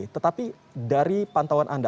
tetapi dari pantauan anda